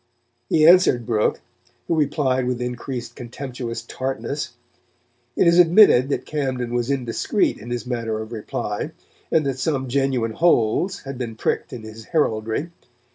He answered Brooke, who replied with increased contemptuous tartness. It is admitted that Camden was indiscreet in his manner of reply, and that some genuine holes had been pricked in his heraldry.